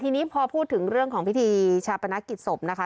ทีนี้พอพูดถึงเรื่องของพิธีชาปนกิจศพนะคะ